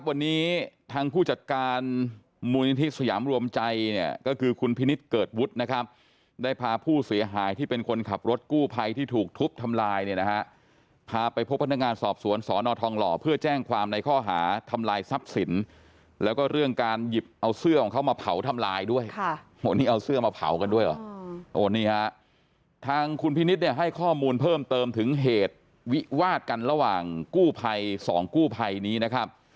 วันนี้ทางผู้จัดการมุมนิทธิสยามรวมใจเนี่ยก็คือคุณพินิศเกิดวุฒินะครับได้พาผู้เสียหายที่เป็นคนขับรถกู้ไพที่ถูกทุบทำลายเนี่ยนะฮะพาไปพบพนักงานสอบสวนสอนอทองหล่อเพื่อแจ้งความในข้อหาทำลายทรัพย์สินแล้วก็เรื่องการหยิบเอาเสื้อของเขามาเผาทำลายด้วยค่ะโหนี่เอาเสื้อมาเผากันด้วยหรอโห